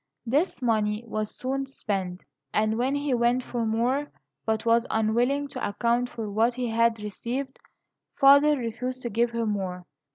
This money was soon spent, and when he went for more, but was unwilling to account for what he had received, father refused to give him more.